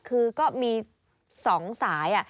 คือก็มีสองสาย